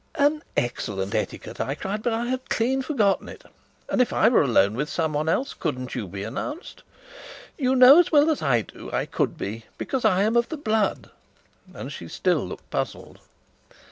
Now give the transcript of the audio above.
"An excellent etiquette!" I cried. "But I had clean forgotten it; and if I were alone with someone else, couldn't you be announced?" "You know as well as I do. I could be, because I am of the Blood;" and she still looked puzzled.